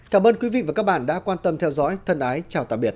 cảm ơn quý vị và các bạn đã quan tâm theo dõi thân ái chào tạm biệt